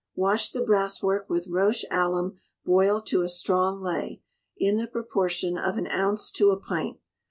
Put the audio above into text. Wash the brasswork with roche alum boiled to a strong ley, in the proportion of an ounce to a pint.